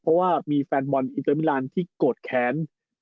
เพราะว่ามีแฟนมอนด์ในเมืองมิรานด์ที่โกรธแขน